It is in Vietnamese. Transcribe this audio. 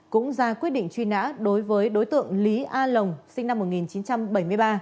cũng ra quyết định truy nã đối với đối tượng lý a lồng sinh năm một nghìn chín trăm bảy mươi ba